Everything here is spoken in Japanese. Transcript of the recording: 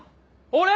俺！